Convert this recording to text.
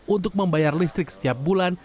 untuk membayar listrik setiap bulan